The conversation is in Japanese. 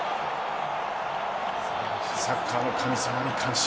サッカーの神様に感謝。